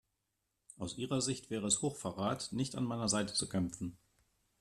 Aus ihrer Sicht wäre es Hochverrat, nicht an meiner Seite zu kämpfen.